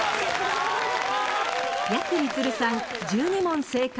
やくみつるさん１２問正解。